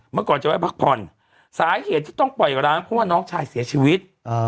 เมื่อก่อนจะไว้พักผ่อนสาเหตุที่ต้องปล่อยร้างเพราะว่าน้องชายเสียชีวิต